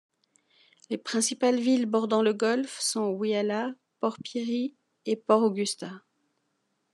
Les principales villes bordant le golfe sont Whyalla, Port Pirie et Port Augusta.